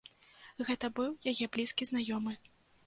Гэта быў яе блізкі знаёмы.